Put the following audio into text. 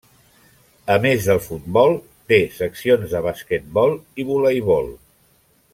A més del futbol té seccions de basquetbol i voleibol.